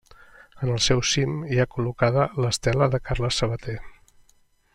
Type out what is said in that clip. En el seu cim hi ha col·locada l'Estela de Carles Sabater.